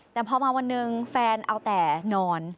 แต่พอมาวันหนึ่งแฟนเอาแต่นอน